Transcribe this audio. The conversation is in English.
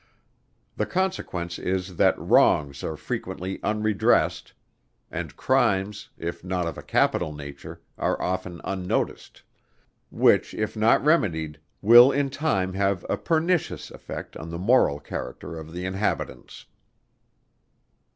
The consequence is that wrongs are frequently unredressed, and crimes, if not of a capital nature, are often unnoticed; which if not remedied will in time have a pernicious effect on the moral character of the inhabitants.